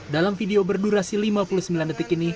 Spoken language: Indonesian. dalam video berdurasi lima puluh sembilan detik ini